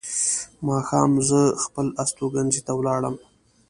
ماښام زه خپل استوګنځي ته ولاړم.